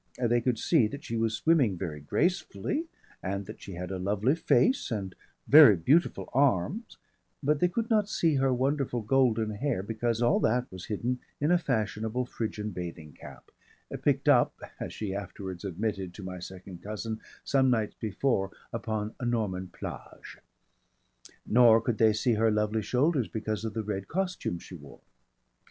They could see that she was swimming very gracefully and that she had a lovely face and very beautiful arms, but they could not see her wonderful golden hair because all that was hidden in a fashionable Phrygian bathing cap, picked up as she afterwards admitted to my second cousin some nights before upon a Norman plage. Nor could they see her lovely shoulders because of the red costume she wore.